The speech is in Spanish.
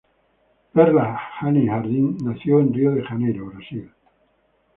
Perla Haney-Jardine nació en Río de Janeiro, Brasil.